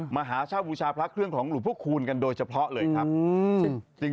มหาชาวบูชาพระเครื่องของหรูพวกกูลกันโดยเฉพาะเลยครับ